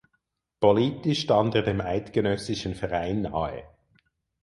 Politisch stand er dem "Eidgenössischen Verein" nahe.